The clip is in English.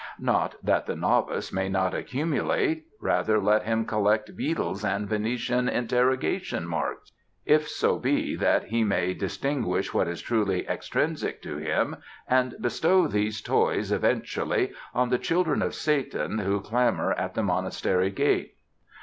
Not that the novice may not accumulate. Rather, let him collect beetles and Venetian interrogation marks; if so be that he may distinguish what is truly extrinsic to him, and bestow these toys, eventually, on the children of Satan who clamor at the monastery gate.